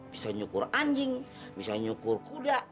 bisa nyukur anjing misalnya nyukur kuda